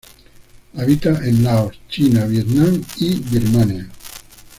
Habita en Laos, China, Vietnam y Birmania.